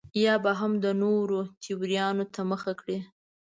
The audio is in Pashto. یا به هم د نورو تیوریانو ته مخه کړي.